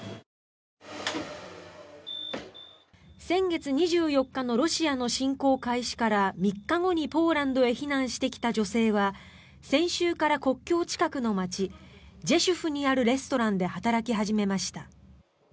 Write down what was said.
先月２４日のロシアの侵攻開始から３日後にポーランドへ避難してきた女性は先週から国境近くの街ジェシュフにあるレストランで働き始めました。